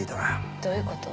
どういう事？